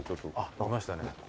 いましたね。